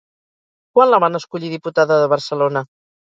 Quan la van escollir diputada de Barcelona?